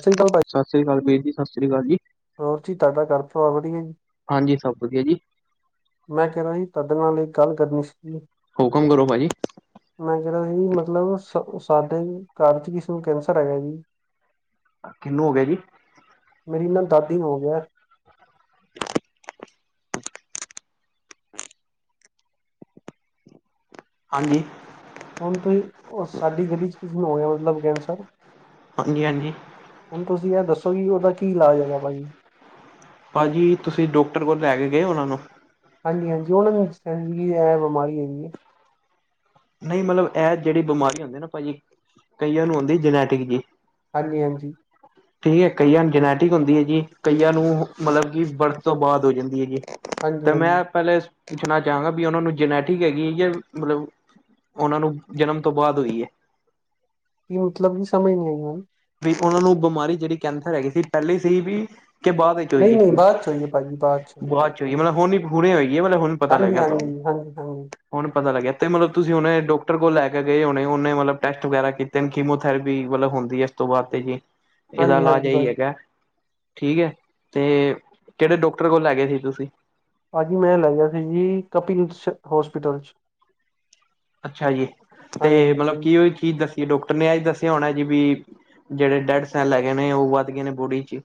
ਸਤਿ ਸ੍ਰੀ ਅਕਾਲ ਭਾ, ਸਤਿ ਸ੍ਰੀ ਅਕਾਲ ਵੀਰ ਜੀ, ਸਤਿ ਸ੍ਰੀ ਅਕਾਲ ਜੀ, ਹੋੋਰ ਜੀ ਤੁਹਾਡਾ ਘਰ ਪਰਿਵਾਰ ਵਧੀਆ ਜੀ ਹਾਂਜੀ ਸਭ ਵਧੀਆ ਜੀ ਮੈਂ ਕਹਿ ਰਿਹਾ ਸੀ, ਤੁਹਾਡੇ ਨਾਲ ਇੱਕ ਗੱਲ ਕਰਨੀ ਸੀ ਹੁਕਮ ਕਰੋ ਭਾਜੀ ਮੈਂ ਕਹਿ ਰਿਹਾ ਸੀ ਮਤਲਬ ਸਾਡੇ ਘਰ 'ਚ ਕਿਸੇ ਨੂੰ ਕੈਂਸਰ ਹੈਗਾ ਜੀ ਕਿਹਨੂੰ ਹੋ ਗਿਆ ਜੀ? ਮੇਰੀ ਨਾ ਦਾਦੀ ਨੂੰ ਹੋ ਗਿਆ ਹ [inaudible] ਹਾਂਜੀ ਹੁਣ ਤੁਸੀਂ ਸਾਡੀ ਗਲੀ ਚ ਕਿਸੇ ਨੂੰ ਹੋਇਆ, ਮਤਲਬ ਕੈੰਸਰ ਹਾਂਜੀ-ਹਾਂਜੀ ਹੁਣ ਤੁਸੀਂ ਇਹ ਦੱਸੋ ਕਿ ਉਹਦਾ ਕੀ ਇਲਾਜ ਹੈਗਾ ਭਾਜੀ ਭਾਜੀ ਤੁਸੀਂ ਡਾਕਟਰ ਕੋਲ ਲੈ ਕੇ ਗਏ ਉਹਨਾਂ ਨੂੰ ਹਾਂਜੀ ਹਾਂਜੀ ਉਹਨਾਂ ਦੀ ਇਹ ਬਿਮਾਰੀ ਹੈਗੀ। ਨਹੀਂ ਮਤਲਬ ਇਹ ਜਿਹੜੀ ਬਿਮਾਰੀ ਹੁੰਦੀ ਨਾ ਭਾਜੀ ਕਈਆਂ ਨੂੰ ਆਉਂਦੀ ਜਨੈਟਿਕ ਜੀ ਹਾਂਜੀ ਹਾਂਜੀ ਠੀਕ ਹੈ ਕਈਆਂ ਨੂੰ ਜਨੈਟਿਕ ਹੁੰਦੀ ਹੈ ਜੀ ਕਈਆਂ ਨੂੰ ਮਤਲਬ ਕਿ ਵਰਤ ਤੋਂ ਬਾਅਦ ਹੋ ਜਾਂਦੀ ਹੈ ਜੀ ਹਾਂਜੀ ਤੇ ਹਾਂਜੀ ਮੈਂ ਪਹਿਲਲੇ ਪੁੱਛਣਾ ਚਾਹਾਂਗਾ ਵੀ ਉਹਨਾਂ ਨੂੰ ਜਨੈਟਿਕ ਹੈਗੀ ਮਤਲਬ ਉਹਨਾਂ ਨੂੰ ਜਨਮ ਤੋਂ ਬਾਅਦ ਹੋਈ ਹੈ। ਕੀ ਮਤਲਬਧੀ ਸਮਝ ਨਹੀਂ ਹੈ ਗਣ ਵੀ ਉਹਨਾਂ ਨੂੰ ਬਿਮਾਰੀ ਜਿਹੜੀ ਕੈਂਸਰ ਹੈਗੀ ਸੀ ਪਹਿਲੀ ਸੀ ਵੀ ਕਿ ਬਾਅਦ ਵਿੱਚ ਮੈਨੂੰ ਨਹੀਂ ਹੋਈ ਨਹੀਂ ਬਾਅਦ ਚੋਂ ਹੋਈ ਭਾਜੀ ਹੈ। ਚੋਂ ਬਾਅਦ ਚ ਹੋਈਏ ਮਤਲਬ ਹੁਣੀ ਹੂਰੇ ਹੋਈਏ ਮਤਲਬ ਹੁਣ ਪਤਾ ਹਾਂਜੀ ਹਾਂਜੀ ਲੱਗਿਆ ਤੁਹਾਨੂੰ ਹਾਂਜੀ ਹਾਂਜੀ ਹਾਂਜੀ ਹੁਣ ਪਤਾ ਲੱਗਿਆ ਤੇ ਮਤਲਬ ਤੁਸੀਂ ਹੁਣੇ ਡਾਕਟਰ ਕੋਲ ਲੈ ਕੇ ਗਏ ਹੋੁਣੇ ਉਹਨੇ ਮਤਲਬ ਟੈਸਟ ਵਗੈਰਾ ਕੀਤੇ ਨੇ ਕੀਮੋਥੈਰੇਪੀਤਲਬ ਹੁੰਦੀ ਹੈ ਇਸ ਤੋਂ ਬਾਅਦ ਤੇ ਜੀ ਇਹਦਾ ਇਲਾਜ ਹਾਂਜੀ ਇਹੀ ਹੈਗਾ ਠੀਕ ਹੈ। ਤੇ ਕਿਹੜੇ ਡਾਕਟਰ ਕੋਲ ਲੈ ਗਏ ਸੀ ਤੁਸੀਂ ਹਾਜੀ ਮੈਂ ਲੈ ਗਿਆ। ਜੀ ਕਪਿਲ ਹੋਸਪਿਟਲ ਚ ਅੱਛਾ ਜੀ ਤੇ ਹਾਂਜੀ। ਮਤਲਬ ਕੀ ਉਹਈ ਚੀਜ਼ ਦੱਸੀ ਡਾਕਟਰ ਨੇ ਇਹ ਦੱਸਿਆ ਹੋਣਾ ਜੀ ਵੀ ਜਿਹੜੇ ਡੈਡ ਲੈ ਗਏ ਨੇ ਉਹ ਵੱਧ ਗਏ ਨੇ ਬੋੜੀ ਚ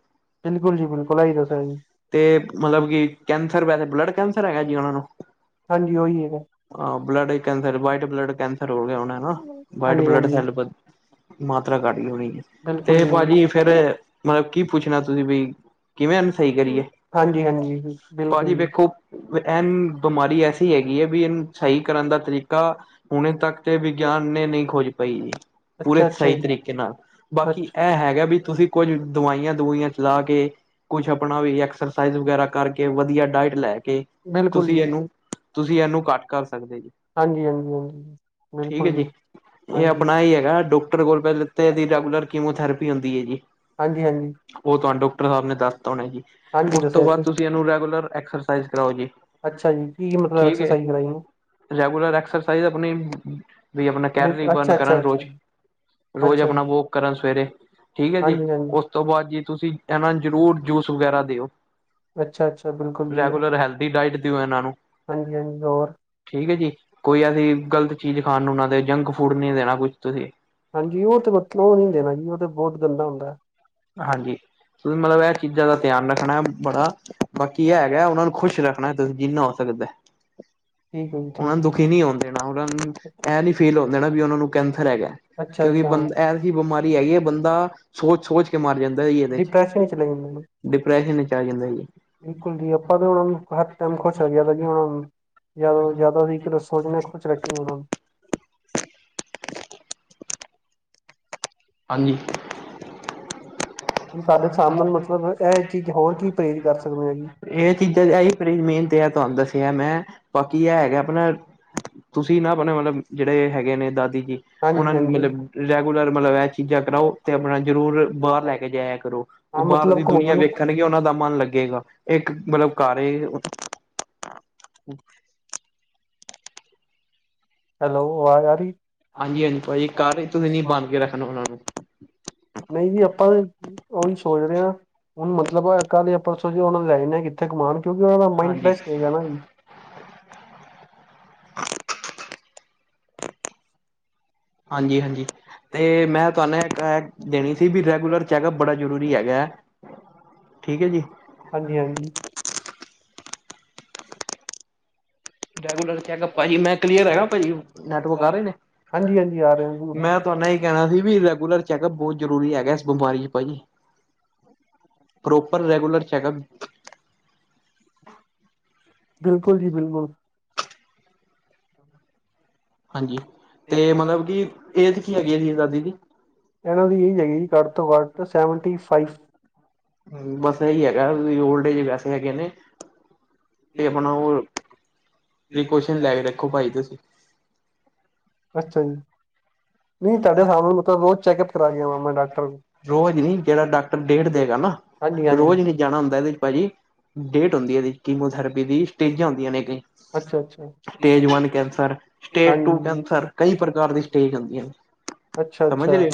ਬਿਲਕੁਲੀ ਬਿਲਕੁਲ ਆਈ ਦੱਸ ਜੀ ਤੇ ਮਤਲਬ ਕੀ ਕੈਂਸਰ ਵੈਸੇ ਬਲੱਡ ਕੈਂਸਰ ਹੈਗਾ ਜੀ ਉਹਨਾਂ ਨੂੰ ਹਾਂਜੀ ਉਹੀ ਹੈਗਾ। ਆਹ blood cancer white blood cancer ਹੋ ਗਿਆ ਹੋਨਾ ਨਾ ਵਾਈਟ ਹਾਂਜੀ ਬਲੱਡ ਹਾਂਜੀ ਸੈੱਲ ਮਾਤਰਾ ਘੱਟ ਗਈ ਹੋਣੀ ਹੈ ਬਿਲਕੁਲ ਤੇ ਜੀ ਭਾਜੀ ਫੇਰ ਮਤਲਬ ਕੀ ਪੁੱਛਣਾ ਤੁਸੀਂ ਬਈ ਕਿਵੇਂ ਏਨੂ ਸਹੀ ਕਰੀਏ ਹਾਂਜੀ ਹਾਂਜੀ ਭਾਜੀ ਬਿਲਕੁਲ ਜੀ। ਵੇਖੋ। ਐਨ ਬਿਮਾਰੀ ਐਸੀ ਹੈਗੀ ਹੈ ਬੀ ਇਨ ਸਹੀ ਕਰਨ ਦਾ ਤਰੀਕਾ ਕਾ ਹੁਣੇ ਤੱਕ ਤੇ ਵਿਗਿਆਨ ਨੇ ਨਹੀਂ ਖੋਜ ਪਾਈ ਜੀ ਪੂਰੇ ਅੱਛਾ ਅੱਛਾ ਸਹੀ ਜੀ ਤਰੀਕੇ ਨਾਲ ਬਾਕੀ ਅੱਛਾ ਇਹ ਹੈਗਾ ਬੀ ਤੁਸੀਂ ਕੁੱਝ ਦਵਾਈਆਂ ਦੁਵੀਈਆਂ ਚਲਾ ਕੇ ਕੁਛ ਆਪਣਾ ਵੀ ਐਕਸਰਸਾਈਜ਼ ਵਗੈਰਾ ਕਰਕੇ ਵਧੀਆ ਡਾਇਟ ਲੈ ਕੇ ਬਿਲਕੁਲ ਜੀ ਤੁਸੀਂ ਇਹਨੂੰ ਤੁਸੀਂ ਇਹਨੂੰ ਘੱਟ ਕਰ ਸਕਦੇ ਜੇ ਹਾਂਜੀ ਹਾਂਜੀ ਹਾਂਜੀ। ਠੀਕ ਹੈ ਬਿਲਕੁਲ ਜੀ ਇਹ ਹਾਂਜੀ ਆਪਣਾ ਹੀ ਹੈਗਾ ਡੋਕਟਰ ਕੋਲ ਪਹਿਲੇ ਤੇ ਇਹਦੀ ਰੈਗੂਲਰ ਕੀਮੋਥੇਰਪੀ ਹੁੰਦੀ ਹੈ ਜੀ ਹਾਂਜੀ ਹਾਂਜੀ ਉਹ ਤੁਹਾਨੂੰ ਡੋਕਟਰ ਸਾਹਿਬ ਨੇ ਦੱਸਤਾ ਹੋਣਾ ਜੀ ਹਾਂਜੀ ਉਸ ਤੋਂ ਦੱਸਿਆ ਬਾਅਦ ਸੀ ਤੁਸੀਂ ਇਹਨੂੰ ਰੈਗੂਲਰ ਐਕਸਰਸਾਈਜ਼ ਕਰਾਓ ਜੀ ਅੱਛਾ ਜੀ ਕੀ ਮਤਲਬ ਠੀਕ ਹੈ। ਐਕਸਰਸਾਈਜ਼ ਕਰਾਈ ਉਨੂੰ। ਰੈਗੂਲਰ ਐਕਸਾਈਜ਼ ਆਪਣੀ ਵੀ ਆਪਣਾ ਹੈ। ਕੈਲਰੀ ਬਰਨ ਅੱਛਾ ਅੱਛਾ ਕਰਨ ਅੱਛਾ ਰੋਜ਼ ਰੋਜ਼ ਅੱਛਾ ਆਪਣਾ ਵੋਕ ਕਰਨ ਸਵੇਰੇ ਠੀਕ ਹੈ ਜੀ ਹਾਂਜੀ ਉਸ ਹਾਂਜੀ ਉਸ ਤੋਂ ਬਾਅਦ ਜੀ ਤੁਸੀਂ ਇਹਨਾ ਨੂੰ ਜ਼ਰੂਰ ਜੂਸ ਵਗੈਰਾ ਦਿਓ। ਅੱਛਾ ਅੱਛਾ ਬਿਲਕੁਲ ਰੈਗੂਲਰ ਹੈਲਦੀ ਡਾਇਟ ਦਿਓ ਇਹਨਾਂ ਨੂੰ ਹਜੀਜ਼ਰ ਠੀਕ ਹੈ ਜੀ ਕੋਈ ਅਸੀਂ ਗ਼ਲਤ ਚੀਜ਼ ਖਾਣ ਨੂੰ ਉਹਨਾਂ ਦੇ ਜੰਕ ਫੂਡ ਨੀ ਦੇਣਾ ਕੁਛ ਤੁਸੀਂ ਹਾਂਜੀ ਉਹ ਤੇ ਮਤਲਬ ਉਹ ਨਹੀਂ ਦੇਣਾ ਜੀ ਉਹ ਤੇ ਬਹੁਤ ਗੰਦਾ ਹੁੰਦਾ। ਹਾਂਜੀ ਮਤਲਬ ਇਹ ਚੀਜ਼ਾਂ ਦਾ ਧਿਆਨ ਰੱਖਣਾ ਹੈ ਬੜਾ ਠੀਕ ਬਾਕੀ ਐ ਹੈ ਹੈਗਾ ਉਹਨਾ ਨੂੰ ਖੁਸ਼ ਰੱਖਣਾ ਤੁਸੀਂ ਜਿੰਨਾ ਹੋ ਸਕਦਾ। ਜੀ ਉਹ ਨੂੰ ਠੀਕ ਦੁਖੀ ਨਹੀਂ ਹੋਨ ਦੇਨ ਉਹ ਨੂੰ ਹੈ। ਇਹ ਨੀ ਫੀਲ ਹੋਨ ਦੇਨਾ ਬੀ ਉਹਨਾਂ ਨੂੰ ਕੈਂਸਰ ਹੈਗਾ। ਅੱਛਾ ਕਿਉਂਕਿ ਅੱਛਾ ਬੰ ਐ ਹੀ ਬਿਮਾਰੀ ਹੈਈ ਹੈ ਬੰਦਾ ਸੋਚ ਸੋਚ ਮਰ ਜਾਂਦਾ ਹੈ ਜੀ ਇਹਦੇ ਚ ਡਿਪਰੈਸ਼ਨ ਹੀ ਚਲੇ ਜਾਂਦੇ ਨੇ ਡਿਪਰੈਸ਼ਨ ਵਿੱਚ ਆ ਜਾਂਦਾ ਜੀ ਬਿਲਕੁਲ ਜੀ ਆਪਾਂ ਤਾਂ ਉਹਨਾਂ ਨੂੰ ਹਰ ਟੈਮ ਖੁਸ਼ [unintelligible] ਤਾਂ ਜੀ ਉਹਨਾਂ ਨੂੰ ਜਿਆਦਾ ਤੋ ਜ਼ਿਆਦਾ ਅਸੀ ਇੱਕ [unintelligible] ਖੁਸ਼ ਰੱਖੀ ਉਹਨਾਂ ਨੂੰ ਹਾਜੀਂ ਹੁਨ ਤਾਡੇ ਸਾਬ ਨਾਲ ਮਤਲਬ ਇਹ ਚੀਜ਼, ਹੋਰ ਕੀ ਪਰੇਜ਼ ਕਰ ਸਕਨੇ ਆ ਜੀ। ਇਹ ਚੀਜ਼ਾਂ ਇਹੀ [unintelligible] ਮੇਨ ਤੇ ਐ, ਤੁਹਾਨੂੰ ਦੱਸਿਆ ਮੈਂ ਬਾਕੀ ਇਹ ਹੈਗਾ ਆਪਣਾ ਤੁਸੀਂ ਨਾਂ [unintelligible] ਆਪਣੇ ਮਤਲਬ ਜਿਹੜੇ ਹੈਗੇ ਨੇ ਦਾਦੀ ਜੀ, ਹਾਂਜੀ ਉਹਨਾਂ ਨੂੰ ਹਾਂਜੀ ਮਤਲਬ ਰੈਗੂਲਰ ਮਤਲਬ ਐਚ ਚੇਕ ਕਰਾਓ ਤੇ ਆਪਣਾ ਜ਼ਰੂਰ ਬਾਹਰ ਲੈ ਕੇ ਜਾਇਆ ਕਰੋ। ਉਹ ਹਾਂ ਬਾਹਰ ਮਤਲਬ ਦੀ ਦੁਨੀਆਂ ਘੁੰਮਣ ਨੂੰ। ਵੇਖ [unintelligible] ਉਹਨਾਂ ਦਾ ਮਨ ਲੱਗੇਗਾ ਇੱਕ ਮਤਲਬ ਘਰ ਏ [unintelligible] ਹੈਲੋ, ਆਵਾਜ਼ ਆ ਰਹੀ। ਹਾਂਜੀ, ਹਾਂਜੀ, ਭਾਜੀ ਘਰ [unintelligible] ਨੀ ਬੰਣ ਕੇ ਰੱਖਣਾ ਉਹਨਾਂ ਨੂੰ ਨਈਂ ਜੀ ਆਪਾਂ ਨੀਂ ਉਹੀ ਸੋਚ ਰਿਹਾ, ਹੁਣ ਮਤਲਬ ਕੱਲ ਯਾਂ ਪਰਸੋਂ ਚ ਉਹਣਾ ਨੂੰ ਲੈ ਜਾਂਨੇ ਆਂ ਕੀਤੇ ਕਿਥੇ ਘੁਮਾਨ ਕਿਉਂਕਿ ਉਹਨਾਂ ਦਾ ਮਾਈੰਡ ਹਾਂਜੀ, ਫਰੈਸ਼ ਰਹੇਗਾ ਨਾਂ ਜੀ [inaudible] ਹਾਂਜੀ, ਹਾਂਜੀ। ਤੇ ਮੈਂ ਤੁਹਾਨੂੰ ਇਕ ਅ ਕੇ ਦੇਣੀ ਸੀ ਵੀ ਰੈਗੂਲਰ ਚੈਕਅਪ ਬੜਾ ਹਾਂਜੀ ਜ਼ਰੂਰੀ ਹੈਗਾ ਐ। ਠੀਕ ਹੈ ਜੀ। ਹਾਂਜੀ, ਹਾਂਜੀ। ਰੈਗੂਲਰ ਚੈਕਅਪ ਭਾਜੀ ਮੈਂ ਕਲੀਅਰ ਹੈਗਾ, ਭਾਜੀ। ਨੈਟਵਰਕ ਆ ਰਹੇ ਨੇਂ? ਹਾਂਜੀ ਹਾਂਜੀ ਆ ਰਹੇ ਨੇਂ [unintelligible] ਕਹਿਣਾ ਸੀ ਵੀ ਰੈਗੂਲਰ ਚੈਕਅਪ ਬਹੁਤ ਜ਼ਰੂਰੀ ਹੈਗਾ ਇਸ ਬਿਮਾਰੀ ਚ ਭਾਜੀ। ਪ੍ਰੋਪਰ ਰੈਗੂਲਰ ਚੈੱਕਅਪ ਬਿਲਕੁਲ ਜੀ ਬਿਲਕੁਲ। ਹਾਂਜੀ ਤੇ ਮਤਲਬ ਕਿ ਏਜ ਕੀ ਹੈਗੀ ਆ ਜੀ ਦਾਦੀ ਦੀ। ਐਣਾ ਦੀ ਐਈ ਹੈਗੀ ਜੀ, ਘੱਟ ਤੋਂ ਘੱਟ ਸੈਵਨ ਟੀ ਫਾਈਵ। ਬਸ ਐਈ ਹੈਗਾ, ਵੀ ਓਲਡ ਏਜ ਵੈਸੇ ਹੈਗੇ ਨੇਂ। ਤੇ ਆਪਣਾ ਓ, ਪ੍ਰੀਕੋਸ਼ਨ ਲੈ ਕੇ ਰੱਖੋ ਭਾਈ ਤੁਸੀਂ। ਅੱਛਾ ਜੀ, ਨਈਂ ਤੁਹਾਡੇ ਸਾਹਬ ਨਾਲ ਮਤਲਬ ਰੋਜ਼ ਚੈੱਕਅਪ ਕਰਾ ਕੇ ਆਉਣਾ ਮੈਂ ਡੋਕਟਰ ਕੋ? ਰੋਜ਼ ਨੀਂ, ਜੇੜਾ ਡਾਕਟਰ ਡੇਟ ਦੇਗਾ ਨਾਂ, ਹਾਂਜੀ ਹਾਂਜੀ ਰੋਜ਼ ਨੀਂ। ਜਾਣਾ ਹੁੰਦੈ, ਏਦੇ ਭਾਜੀ ਡੇਟ ਹੋਂਦੀ ਏਦੀ, ਕੀਮੋਥੈਰੇਪੀ ਦੀ ਸਟੇਜਾਂ ਹੁੰਦੀਆਂ ਨੇਂ ਕਈ ਜ ਅੱਛਾ ਅੱਛਾ stage one cancer, stage two ਹਾਂਜੀ ਕੈਂਸਰ ਕਈ ਪ੍ਰਕਾਰ ਦੀ ਸਟੇਜ ਹੁੰਦੀਆਂ ਨੇਂ। ਅੱਛਾ ਸਮਝ ਰੇ, ਅੱਛਾ।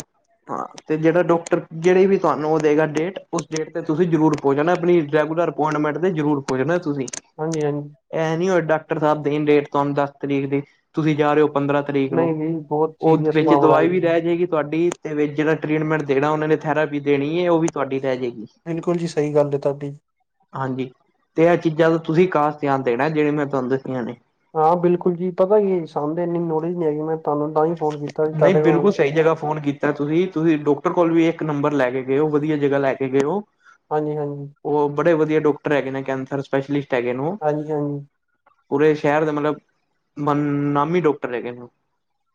ਹਾਂ। ਤੇ ਜੇੜਾ ਡੋਕਟਰ ਜੇੜੀ ਵੀ ਤੁਹਾਨੂੰ ਓ ਦੇਗਾ ਡੇਟ, ਉਸ ਡੇਟ ਤੇ ਤੁਸੀਂ ਜਰੂਰ ਪੋਚ ਜਾਣਾ ਅਪਣੀ ਰੈਗੂਲਰ ਓਪਮੇਂਟ ਤੇ ਜਰੂਰ ਪੋਚ ਜਨਾ ਤੁਸੀ। ਹਾਂਜੀ, ਹਾਂਜੀ। ਐ ਨੀਂ ਹੋਏ ਡਾਕਟਰ ਸਾਬ ਦੇਨ ਡੇਟ ਤੁਹਾਨੂੰ ਦਸ ਤਰੀਕ ਦੀ, ਤੁਸੀਂ ਜਾ ਰੇ ਓ ਪੰਦਰਾਂ ਤਰੀਕ। ਨੂੰ ਨਈਂ, ਨਈਂ ਬੋਤ ਉਹ [unintelligible] ਵਿੱਚ ਦਵਾਈ ਵੀ ਰਹਿ ਰੈ ਜੇਗੀ ਤੁਆਡੀ ਤੇ ਵੇਚ ਜੇੜਾ ਟ੍ਰੀਟਮੈਂਟ ਦੇਣਾ ਓਨਾਂ ਨੇ, ਥੈਰਾਪੀ ਦੇਣੀ ਏ ਓ ਵੀ ਤੁਆਡੀ ਰੈ ਜੇਗੀ। ਬਿਲਕੁਲ ਜੀ ਸਹੀ [unintelligible] ਗੱਲ ਹੈ ਤੁਹਾਡੀ ਹਾਂਜੀ, ਤੇ ਐ ਚੀਜ਼ਾਂ ਦਾ ਤੁਸੀਂ ਖਾਸ ਧੇਆਨ ਦੇਣਾ ਜੇੜੀਆਂ ਮੈਂ ਤੁਆਨੂੰ ਦੱਸੀਆਂ ਨੇਂ। ਹਾਂ ਬਿਲਕੁਲ ਜੀ, ਪਤਾ ਕੀ ਸਾਨੂੰ ਤੇ ਇੰਨੀ ਨੌਲੇਜ ਨੀਂ ਹੈਗੀ, ਮੈਂ ਤੁਹਾਨੂੰ ਤਾਂ ਹੀ ਫੋਨ ਕੀਤਾ ਸੀ ਤੁਹਾਡੇ ਕੋਲ ਜਿੜਾ ਫੋਨ ਕੀਤਾ ਤੁਸੀਂ, ਤੁਸੀਂ ਡੋਕਟਰ ਕੋਲ ਵੀ ਇੱਕ ਨੰਬਰ ਲੈ ਕੇ ਗਏ ਓ। ਵਧੀਆ ਜਗ੍ਹਾ ਲੈ ਕੇ ਗਏ ਓ। ਹਾਂਜੀ, ਹਾਂਜੀ। ਉਹ ਬੜੇ ਵਧੀਆ ਡੋਕਟਰ ਹੈਗੇ ਨੇਂ, ਕੈਂਸਰ ਸਪੈਸ਼ਲਿਸਟ ਹੈਗੇ ਨੇਂ। ਹਾਂਜੀ ਹਾਂਜੀ ਪੂਰੇ ਸੈ਼ਰ ਦੇ ਮਤਲਬ, ਮਮ ਨਾਮੀ ਡੋਕਟਰ ਹੈਗੇ ਨੇਂ।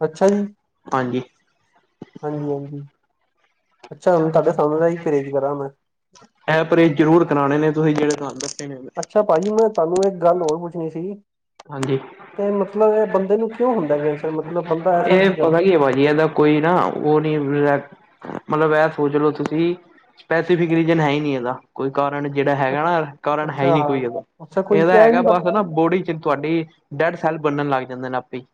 ਅੱਛਾ ਜੀ। ਹਾਂਜੀ। ਹਾਂਜੀ, ਹਾਂਜੀ। ਅੱਛਾ, ਹੁਨ ਤੁਆਡੇ ਸਾਬ ਦਾ ਹੀ ਪਰਹੇਜ਼ ਕਰਾਂ ਮੈਂ। ਇਹ ਪਰਹੇਜ਼ ਜ਼ਰੂਰ ਕਰਾਣੇ ਨੇ ਤੁਸੀਂ ਜਿਹੜੇ ਤੁਹਾਨੂੰ ਦੱਸੇ ਨੇ [inaudible] ਅੱਛਾ ਭਾਜੀ, ਮੈਂ ਤੁਹਾਨੂੰ ਏਕ ਗੱਲ ਹੋਰ ਪੁੱਛ [unintelligible] ਹਾਂਜੀ, ਕਿਉਂ ਹੁੰਦਾ ਕੈਂਸਰ ਮਤਲਬ ਬੰਦਾ [inaudible] ਐਸਾ ਏ ਪਤਾ ਕਰਦਾ ਕੀ ਐ ਬਾਊਜੀ ਐਦਾ‌ ਕੋਈ ਨਾਂ ਓ ਨੀ ਲੈ ਮਤਲਬ ਐ ਸੋਚ ਲੋ ਤੁਸੀ, ਸਪੈਸੀਫਿਕ ਰੀਜਨ ਹੈ ਈ ਨੀ ਐਦਾ। ਕੋਈ ਕਾਰਣ ਜੇੜਾ ਹੈਗਾ ਨਾ, ਕਾਰਣ ਹੈ ਈ ਅੱਛਾ ਨਈ ਕੋਈ ਐਦਾ। ਅੱਛਾ ਕੋਈ ਏਦਾ ਕਹਿ ਹੈਗਾ ਨੀ ਬਸ ਨਾ, ਬੋਡੀ ਚ ਤੁਆਡੀ ਡੈਡ ਸੈਲ ਬਨਨ ਲੱਗ ਜਾਂਦੇ ਨੇ ਆਪੇ ਹੀ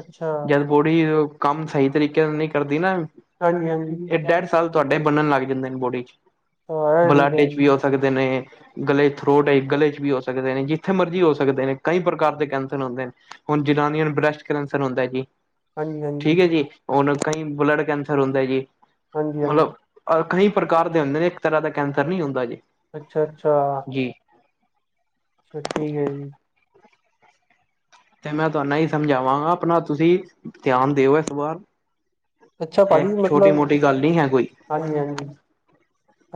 ਅੱਛਾ ਬਈ ਔ ਕਮ ਸਈ ਤਰੀਕੇ ਨਾਲ ਨਹੀ ਕਰਦੀ ਨਾ ਹਾਂਜੀ, ਹਾਂਜੀ। ਸੈਲ ਤੁਆਡੇ ਬਨਨ ਲਾੱਗ ਜਾਂਦੇ ਨੇ ਬੋਡੀ ਚ, ਬਲੱਡ ਚ ਵੀ ਹੋ ਸਕਦੇ ਨੇ ਗਲੇ ਚ ਥ੍ਰੋਡ ਏ, ਗਲੇ ਚ ਵੀ ਹੋ ਸਕਦੇ ਨੇ, ਜਿੱਥੇ ਮਰਜ਼ੀ ਹੋ ਸਕਦੇ ਨੇ, ਕਈ ਪ੍ਰਕਾਰ ਦੇ ਕੈਂਸਰ ਹੋਂਦੇ ਨੇ। ਹੋਨ ਜਨਾਨੀਆਂ ਨੂੰ ਬ੍ਰੈਸਟ ਕ੍ਰੈਂਸਰ ਹੋਂਦੈ ਜੀ ਹਾਂਜੀ ਠੀਕ ਹਾਂਜੀ ਐ ਜੀ, ਹੋਨ ਕਈ ਬਲੱਡ ਕੈਂਸਰ ਹੋਂਦੈ ਜੀ ਹਾਂਜੀ ਮਲਬ ਕਈ ਅ ਪ੍ਰਕਾਰ ਦੇ ਹੋਂਦੇ ਨੇ, ਇੱਕ ਤਰ੍ਹਾਂ ਦਾ ਕੈਂਸਰ ਨਈ ਹੋਂਦਾ ਜੀ। ਅੱਛਾ, ਅੱਛਾ। ਜੀ ਅੱਛਾ, ਠੀਕ ਏ ਜੀ। ਤੇ ਮੈਂ ਤੁਆਨੂੰ ਐਈ ਸਮਝਾਵਾਂਗਾ, ਆਪਨਾ ਤੁਸੀਂ ਧੇਆਨ ਦੇਓ ਏਸ ਵਾਰ ਅੱਛਾ ਐ ਭਾਜੀ ਮਤਲਬ ਛੋਟੀ-ਮੋਟੀ ਗਾੱਲ ਨੀ ਹੈ ਕੋਈ। ਹਾਂਜੀ-ਹਾਂਜੀ।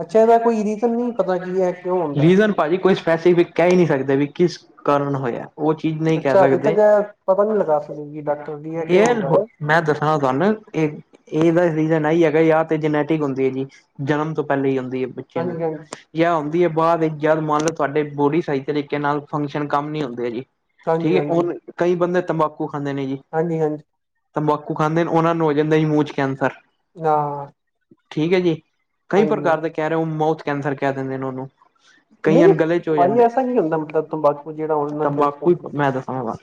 ਅੱਛਾ ਇਹਦਾ ਕੋਈ ਰੀਜ਼ਨ ਨਹੀਂ ਪਤਾ ਕੀ ਹੈ ਕਿਉਂ ਹੁੰਦਾ ਹੈ, ਭਾਜੀ ਕੋਈ ਸਪੈਸੀਫਿਕ ਕੈ ਈ ਨੀ ਸਕਦੇ, ਵੀ ਕਿਸ ਕਾਰਨ ਹੋਏਆ। ਓ ਚੀਜ ਨਈ ਕੈ ਅੱਛਾ ਅਜੇ ਸਕਦੇ ਤੱਕ ਇਹ ਪਤਾ ਨਹੀਂ ਲਗਾ ਸਕੇ ਕਿ ਡਾਕਟਰ ਜੀ ਇਹ ਕਿਉਂ ਹੁੰਦਾ, ਮੈਂ ਦੱਸਾਨਾ ਤੁਹਾਨੂੰ ਇਹ ਇਹਦਾ ਰੀਜ਼ਨ ਏਈ ਹੈਗਾ, ਯਾ ਤੇ ਜਨੈਟਿਕ ਹੁੰਦੀ ਹੈ ਜੀ ਜਨਮ ਤੋਂ ਪਹਲੇ ਹੀ ਹੁੰਦੀ ਹੈ ਬੱਚੇਆਂ ਹਾਂਜੀ-ਹਾਂਜੀ, ਨੂੰ ਜਾਂ ਹੁੰਦੀ ਹੈ ਬਾਦ ਵਿਚ, ਜਾ ਮੰਨ ਲਓ ਤੁਹਾਡੇ ਬੋਡੀ ਸਹੀ ਤਰੀਕੇ ਨਾਲ ਫੰਕਸ਼ਨ ਕੰਮ ਨੀ ਹੁੰਦੇ ਹੈ ਜੀ ਠੀਕ ਹੈ, ਹਾਂਜੀ-ਹਾਂਜੀ, ਹੁਣ ਕਈ ਬੰਦੇ ਤੰਬਾਕੂ ਖਾਂਦੇ ਨੇ ਜੀ ਹਾਂਜੀ ਹਾਂਜੀ ਤੰਬਾਕੂ ਖਾਂਦੇ ਨੇ, ਉਹਨਾ ਨੂੰ ਹੋ ਜਾਂਦਾ ਜੀ, ਮੂੰਹ ਚ ਕੈਂਸਰ, ਹਾਂ, ਠੀਕ ਹੈ ਜੀ ਕਈ ਹਾਂਜੀ। ਪ੍ਰਕਾਰ ਦੇ ਕਹਿ ਰਹੇ, ਉਹ ਮਾਊਥ ਕੈਂਸਰ ਕਹਿ ਦਿੰਦੇ ਨੇ ਉਹਨੂੰ ਕਈਆਂ ਨਹੀਂ ਨੂੰ ਗਲੇ ਚ ਹੋ ਭਾਜੀ ਜਾਂਦੇ, ਐਸਾ ਕੀ ਹੁੰਦਾ ਮਤਲਬ ਤੰਬਾਕੂ ਜਿਹੜਾ ਉਹਨਾਂ ਨਾਲ ਕੈਂਸਰ ਤੰਬਾਕੂ, ਮੈਂ ਦੱਸਨਾ ਵਾ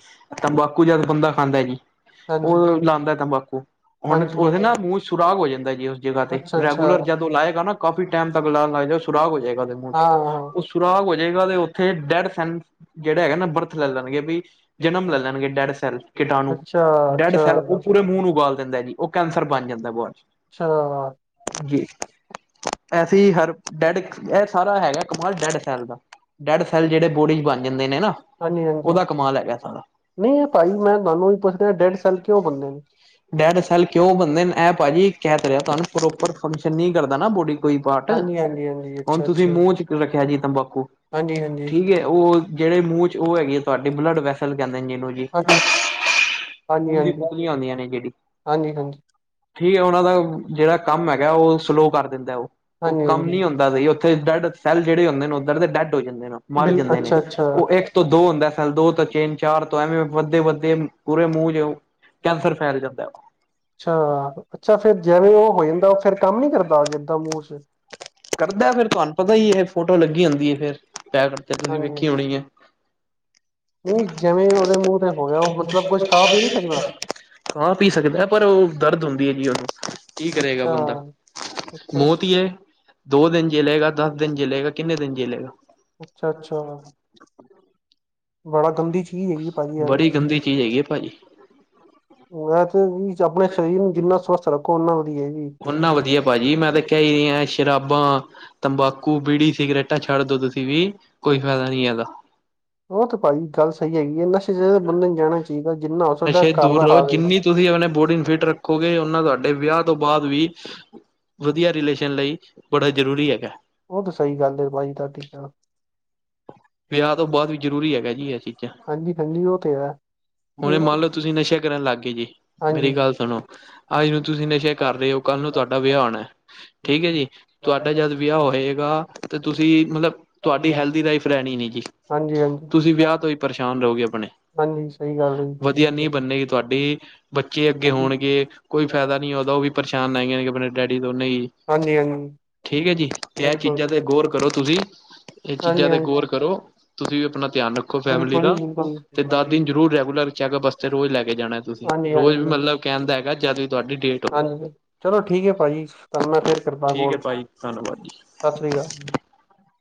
ਤੰਬਾਕੂ ਜਦ ਬੰਦਾ ਖਾਂਦਾ ਜੀ, ਹਾਂਜੀ-ਹਾਂਜੀ। ਉਹ ਲਾਉਦਾ ਤੰਬਾਕੂ ਹੁਣ ਉਹਦੇ ਨਾ ਮੂੰਹ ਸੁਰਾਗ ਹੋ ਜਾਂਦਾ ਜੀ ਉਸ ਜਗ੍ਹਾ ਤੇ, ਰੈਗੂਲਰ ਅੱਛਾ-ਅੱਛਾ, ਜਦ ਔ ਲਾਇ ਕਾਫੀ ਟਾਈਮ ਤੱਕ ਲਾਣ ਲੱਗ ਉਹ, ਸੁਰਾਗ ਹੋ ਜਾਏਗਾ ਉਹਦੇ ਮੂੰਹ ਹਾਂ-ਹਾਂ। ਚ ਸੁਰਾਗ ਹੋ ਜਾਏਗਾ, ਤੇ ਉੱਥੇ ਡੈਡ ਸੈਲ ਜਿਹੜਾ ਹੈਗਾ ਨਾ ਬਰਥ ਲੈ ਲੈਣਗੇ, ਵੀ ਜਨਮ ਲੈ ਲੈਣਗੇ ਡੈਡ ਸੈੱਲ ਕੀਟਾਣੂ, ਡੈਡ ਅੱਛਾ-ਅੱਛਾ, ਸੈੱਲ ਅੱਛਾ, ਪੂਰੇ ਮੂੰਹ ਨੂੰ ਗਾਲ ਦਿੰਦਾ ਜੀ, ਉਹ ਕੈਂਸਰ ਬਣ ਜਾਂਦਾ ਬਾਦ ਚ ਅੱਛਾ ਜੀ ਐਸੀ ਹਰ ਡੈਡ, ਇਹ ਸਾਰਾ ਹੈਗਾ ਕਮਾਲ, ਡੈਡ ਸੈਲ ਦਾ ਡੈਡ ਸੈੱਲ ਜਿਹੜੇ ਬੋਡੀ ਚ ਬਣ ਜਾਂਦੇ ਨੇ ਨਾ ਹਾਂਜੀ-ਹਾਂਜੀ। ਉਹਦਾ ਕਮਾਲ ਹੈਗਾ ਸਾਰਾ ਨਹੀਂ ਇਹ ਭਾਜੀ ਮੈਂ ਤੁਹਾਨੂੰ ਵੀ ਪੁੱਛ ਰਿਹਾ ਡੈਡ ਸੈਲ ਕਿਉਂ ਬਣਦੇ ਨੇ? ਡੇਡ ਸੈਲ ਕਿਉਂ ਬੰਨਦੇ ਨ, ਐ ਭਾਜੀ, ਕਹਿ ਤ ਰੈਆ ਤੁਆਨੂੰ, ਪ੍ਰੋਪਰ ਫੰਕਸ਼ਨ ਨਈ ਕਰਦਾ ਨਾ ਬੋੜੀ। ਕੋਈ ਪਾਰ੍ਟ, ਹਾਂਜੀ ਹਾਂਜੀ ਹਾਂਜੀ ਹੁਣ ਅੱਛਾ ਤੁਸੀਂ ਅੱਛਾ ਮੂੰਹ ਚ ਰੱਖੇਆ ਜੀ ਤੰਬਾਕੂ ਹਾਂਜੀ ਹਾਂਜੀ ਠੀਕ ਏ ਓ ਜੇੜੇ ਮੂੰਹ ਚ ਓ ਹੈਗੇ ਏ, ਸਾਡੀ ਬੁਲਡ ਵੈਸਲ ਕੈਂਦੇ ਨੇ ਜਿਨੂੰ ਹਾਂਜੀ ਹਾਂਜੀ ਹਾਂਜੀ ਖੂਨ ਦੀ ਪੁਤਲੀਆਂ ਹੂੰਦੀਆਂ ਨੇ ਜੇੜੀ ਹਾਂਜੀ ਹਾਂਜੀ ਠੀਕ ਐ ਓਨਾਂ ਦਾ ਵ, ਜੇੜਾ ਕੰਮ ਹੈਗੈ ਓ ਸਲੋਅ ਕਰ ਦਿੰਦੈ ਓ। ਓ ਹਾਂਜੀ ਕੰਮ ਹਾਂਜੀ ਨੀ ਹੋਂਦਾ ਸਹੀ, ਓਥੇ ਡੈਡ ਸੈੱਲ ਜੇੜੇ ਹੋਂਦੇ ਨੇ, ਓਦਰ ਦੇ ਡੈਡ ਹੋ ਜਾਂਦੇ ਨੇ, ਮਰ ਬਿਲ ਜਾਂਦੇ ਨੇ ਅੱਛਾ ਅੱਛਾ ਇਕ ਤੋ ਦੋ ਹੁੰਦਾ ਐ ਸੈੱਲ, ਦੋ ਤੋਂ ਚੇਨ ਚਾਰ ਤੋਂ ਐਵੇਂ ਵੱਧਦੇ ਵੱਧਦੇ ਪੂਰੇ ਮੂੰਹ ਚ ਔ ਕੈਂਸਰ ਫੈਲ ਜਾਂਦਾ ਔ ਅੱਛਾ ਅੱਛਾ ਫੇਰ ਜਿਵੇਂ ਉਹ ਹੋ ਜਾਂਦਾ, ਉਹ ਫੇਰ ਕੰਮ ਨੀ ਕਰਦਾ, ਏਦਾਂ ਮੂ ਕਰਦਾ ਫੇਰ ਤੁਹਾਨੂੰ ਪਤਾ ਹੀ ਇਹ, ਫੋਟੋ ਲੱਗੀ ਹੁੰਦੀ ਹੈ ਫੇਰ, ਡੈਡ ਤੇ ਤੁਸੀਂ ਹਾਂਜੀ ਵੇਖੀ ਹੋਣੀ ਹੈ [inaudible] ਨਹੀਂ ਜਿਵੇਂ ਉਹਦੇ ਮੂੰਹ ਤੇ ਹੋ ਗਿਆ ਉਹ ਮਤਲਬ ਕੁਛ ਖਾ ਪੀ ਨੀ ਸਕਦਾ ਕਾਂ ਪੀ ਸਕਦਾ ਪਰ ਉਹ ਦਰਦ ਹੁੰਦੀ ਹੈ, ਜੀ ਉਹਨੂੰ ਕੀ ਕਰੇਗਾ ਅੱਛਾ ਬੰਦਾ। ਮ ਅੱਛਾ ਅੱਛਾ ਮੌਤ ਹੀ ਹੈ ਦੋ ਦਿਨ ਜਲੇਗਾ ਦਸ ਦਿਨ ਜਲੇਗਾ ਕਿੰਨੇ ਦਿਨ ਜੇਲੇਗਾ। ਅੱਛਾ-ਅੱਛਾ, ਚੀਜ਼ ਹੈਗੀ ਭਾਜੀ ਯਾਰ ਬੜੀ ਗੰਦੀ ਚੀਜ਼ ਹੈਗੀ ਹੈ ਭਾਜੀ। ਮੈਂ ਤੇ ਆਪਣੇ ਸਰੀਰ ਨੂੰ ਜਿੰਨਾ ਸਵਸਥ ਰੱਖੋ, ਓਨਾ ਵਧੀਆ ਜੀ। ਓਨਾ ਵਧੀਆ ਭਾਜੀ ਮੈਂ ਤਾਂ ਕਹਿ ਹੀ ਸ਼ਰਾਬਾਂ, ਤੰਬਾਕੂ ਬੀੜੀ ਸਿਗਰੇਟਾਂ ਛੱਡ ਦੋ ਤੁਸੀਂ ਵੀ ਕੋਈ ਫਾਇਦਾ ਨੀ ਇਹਦਾ ਉਹ ਤੇ ਭਾਜੀ ਗੱਲ ਸਹੀ ਹੈਗੀ ਹੈ ਨਸ਼ੇ ਚ ਬੰਦੇ ਨੂੰ ਜਾਣਾ ਚਾਹੀਦਾ ਜਿੰਨਾ ਹੋ ਸਕਦਾ ਨਸ਼ੇ ਘਰ ਦੂਰ ਦਾ ਰਹੋ ਖਾਵੇ ਜਿੰਨੀ ਤੁਸੀਂ ਆਪਣੇ ਬੋਡੀ ਨੂੰ ਫਿੱਟ ਰੱਖੋਗੇ, ਉਹਨਾਂ ਤੁਹਾਡੇ ਵਿਆਹ ਤੋਂ ਬਾਅਦ ਵੀ ਵਧੀਆ ਰਿਲੇਸ਼ਨ ਲਈ ਬੜਾ ਜ਼ਰੂਰੀ ਹੈਗਾ। ਉਹ ਤਾਂ ਸਹੀ ਗੱਲ ਹੈ ਭਾਜੀ ਤੁਹਾਡੀ ਕਹਿਣਾ ਵਿਆਹ ਤੋਂ ਬਾਅਦ ਵੀ ਜ਼ਰੂਰੀ ਹੈਗਾ ਜੀ ਇਹ ਹਾਂਜੀ-ਹਾਂਜੀ, ਉਹ ਤੇ ਹੈ। ਹੁਣ ਮੰਨ ਲਓ ਤੁਸੀਂ ਨਸ਼ਾ ਕਰਨ ਲੱਗ ਗਏ, ਜੀ ਹਾਂਜੀ ਮੇਰੀ ਗੱਲ ਸੁਣੋ। ਅੱਜ ਨੂੰ ਤੁਸੀਂ ਨਸ਼ੇ ਕਰ ਰਹੇ ਹੋ, ਕੱਲ ਹਾਂਜੀ ਨੂੰ ਤੁਹਾਡਾ ਵਿਆਹ ਹੋਣਾ ਠੀਕ ਹੈ ਜੀ ਤੁਹਾਡਾ ਜਦ ਵਿਆਹ ਹੋਏਗਾ। ਤੇ ਤੁਸੀਂ ਮਤਲਬ ਤੁਹਾਡੀ ਹੈਲਦੀ ਲਾਈਫ ਰਹਿਣੀ ਨੀ ਜੀ। ਹਾਂਜੀ ਤੁਸੀਂ ਵਿਆਹ ਤੋਂ ਹੀ ਪਰੇਸ਼ਾਨ ਰਹੋਗੇ, ਆਪਣੇ ਹਾਂਜੀ ਸਹੀ ਗੱਲ ਹੈ ਵਧੀਆ ਜੀ ਨੀਹ ਬੰਨੇਗੀ। ਤੁਹਾਡੀ ਬੱਚੇ ਅੱਗੇ ਹੋਣਗੇ, ਕੋਈ ਫਾਇਦਾ ਨੀ ਉਹਦਾ ਉਹ ਵੀ ਪਰੇਸ਼ਾਨ ਆ ਜਾ ਨੇਗੇ ਆਪਣੇ ਡੈਡੀ ਤੋਂ ਉਹਨੇ ਹੀ ਹਾਂਜੀ ਹਾਂਜੀ ਠੀਕ ਹੈ, ਜੀ ਤੇ ਇਹ ਬਿਲਕੁਲ ਚੀਜ਼ਾਂ ਤੇ ਗੌਰ ਕਰੋ ਤੁਸੀਂ ਇਹ ਚੀਜ਼ਾਂ ਹਾਂਜੀ ਤੇ ਹਾਂਜੀ ਗੌਰ ਕਰੋ ਤੁਸੀਂ ਵੀ ਆਪਣਾ ਧਿਆਨ ਰੱਖੋ। ਫੈਮਲੀ ਬਿਲਕੁਲ ਦਾ ਜੀ ਬਿਲਕੁਲ ਤੇ ਦੱਸ ਹਾਂਜੀ ਦਿਨ ਜਰੂਰ ਰੈਗੂਲਰ ਚੈੱਕਅਪ ਵਸਤੇ ਰੋਜ਼ ਲੈ ਕੇ ਜਾਣਾ ਤੁਸੀਂ ਹਾਂਜੀ ਰੋਜ਼ ਵੀ ਮਤਲਬ ਕਹਿੰਦਾ ਹੈਗਾ ਜਦ ਵੀ ਤੁਹਾਡੀ ਡੇਟ ਹਾਂਜੀ ਚਲੋ ਠੀਕ ਹੈ ਭਾਜੀ ਤੁਹਾਨੂੰ ਮੈਂ ਫੇਰ ਕਰਦਾ ਠੀਕ ਕੋਲ ਹੈ ਭਾਜੀ, ਧੰਨਵਾਦ ਸਤਿ ਸ੍ਰੀ ਅਕਾਲ ਜੀ।